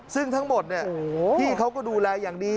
ซึ่งทั้งหมดเนี่ยพี่เขาก็ดูแลอย่างดี